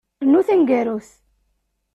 Rnu taneggarut.